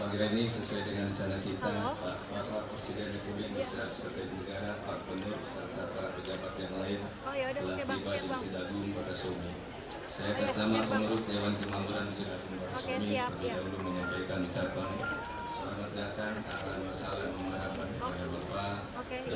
alhamdulillah tak ada masalah memelahabatkan kepada bapak presiden republik indonesia beserta ibu pak bung nur beserta jaya